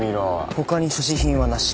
他に所持品はなし。